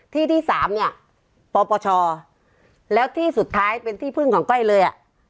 ที่ที่สามเนี่ยปปชแล้วที่สุดท้ายเป็นที่พึ่งของก้อยเลยอ่ะ